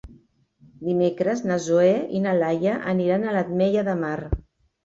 Dimecres na Zoè i na Laia aniran a l'Ametlla de Mar.